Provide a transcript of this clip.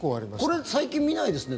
これ最近見ないですね。